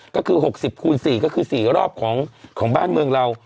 ก็คือ๖๐คูณ๔ก็คือ๔รอบของบ้านเมืองเรา